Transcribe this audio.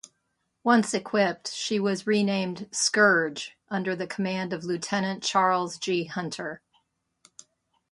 Once equipped, she was renamed "Scourge" under the command of Lieutenant Charles G. Hunter.